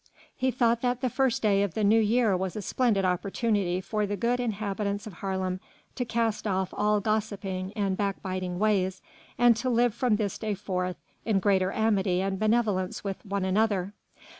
He thought that the first day of the New Year was a splendid opportunity for the good inhabitants of Haarlem to cast off all gossiping and back biting ways and to live from this day forth in greater amity and benevolence with one another.